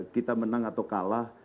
kita menang atau kalah